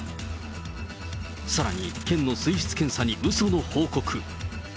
さらに、県の水質検査にうその報告。